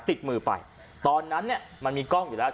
ติดมือไปตอนนั้นเนี่ยมันมีกล้องอยู่แล้ว